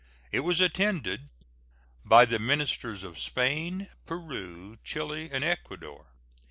It was attended by the ministers of Spain, Peru, Chile, and Ecuador.